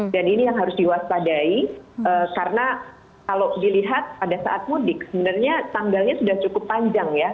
dan ini yang harus diwaspadai karena kalau dilihat pada saat mudik sebenarnya tanggalnya sudah cukup panjang ya